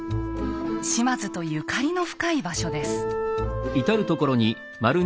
島津とゆかりの深い場所です。